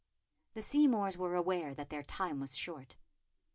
The Seymours were aware that their time was short.